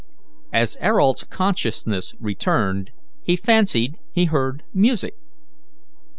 As Ayrault's consciousness returned, he fancied he heard music.